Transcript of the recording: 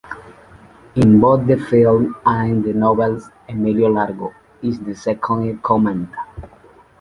In both the films and the novels, Emilio Largo is the second in command.